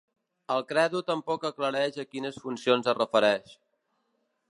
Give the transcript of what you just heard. El credo tampoc aclareix a quines funcions es refereix.